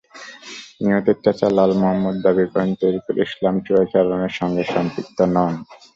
নিহতের চাচা লাল মোহাম্মদ দাবি করেন, তরিকুল ইসলাম চোরাচালানের সঙ্গে সম্পৃক্ত নন।